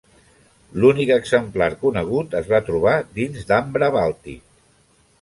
L'únic exemplar conegut es va trobar dins d'ambre bàltic.